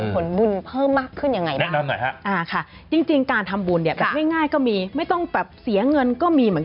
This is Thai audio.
การส่งผลบุญเพิ่มยังไงบ้าง